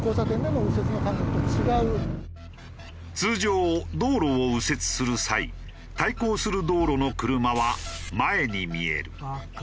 通常道路を右折する際対向する道路の車は前に見える。